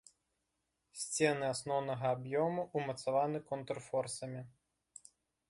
Сцены асноўнага аб'ёму ўмацаваны контрфорсамі.